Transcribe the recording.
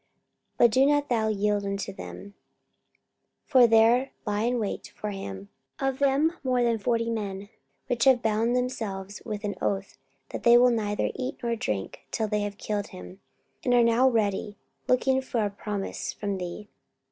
44:023:021 But do not thou yield unto them: for there lie in wait for him of them more than forty men, which have bound themselves with an oath, that they will neither eat nor drink till they have killed him: and now are they ready, looking for a promise from thee.